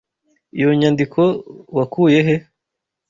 Iyo nyandiko wakuye he?